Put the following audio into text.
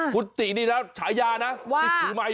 คุณตินี่นะฉายานะว่า